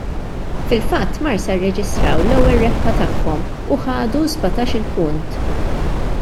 Fil-fatt Marsa rreġistraw l-ewwel rebħa tagħhom u ħadu sbatax-il punt.